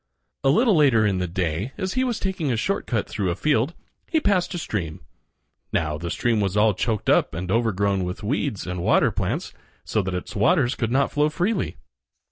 A little later in the day, as he was taking a short cut through a field, he passed a stream. Now, the stream was all choked up and overgrown with weeds and water plants, so that its waters could not flow freely.